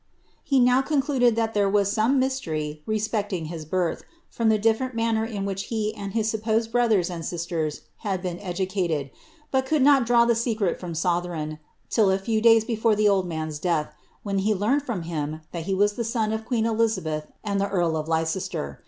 He now concluded that there was some mystery respecting his birth, from the difierent manner in which he and his supposed brothers and sisters had been educated, but could not draw the secret from Sotheron till a few days before the old man's death, when he learned from him that he was the son of queen Elizabeth and the earl of Leicester.